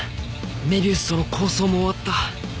愛美愛主との抗争も終わった